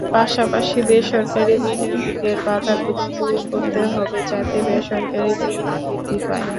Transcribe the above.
পাশাপাশি বেসরকারি বিনিয়োগের বাধাগুলো দূর করতে হবে, যাতে বেসরকারি বিনিয়োগ বৃদ্ধি পায়।